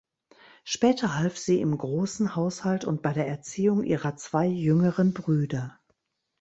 Später half sie im grossen Haushalt und bei der Erziehung ihrer zwei jüngeren Brüder.